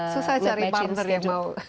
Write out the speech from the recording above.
susah cari partner yang mau